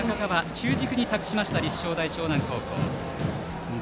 中軸に託しました立正大淞南高校。